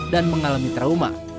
dan mengalami trauma